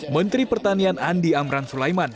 menteri pertanian andi amran sulaiman